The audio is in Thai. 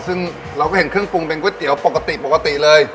ซึ่งเราก็เห็นเครื่องปรุงเป็นก๋วยเตี๋ยวปกติปกติเลย